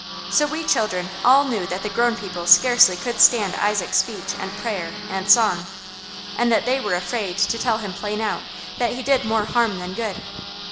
So we children all knew that the grown people scarcely could stand Isaac's speech, and prayer, and song, and that they were afraid to tell him plain out that he did more harm than good.